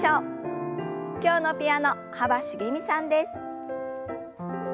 今日のピアノ幅しげみさんです。